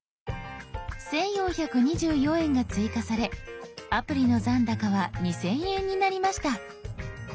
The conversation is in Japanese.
１，４２４円が追加されアプリの残高は２，０００円になりました。